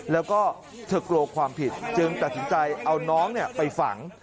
แล้วก็เธอกลัวความผิดจึงตัดสินใจเอาน้องไปฝัง